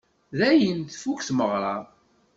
Dayen, tfukk tmeɣra.